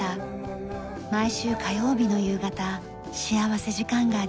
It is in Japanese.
毎週火曜日の夕方幸福時間があります。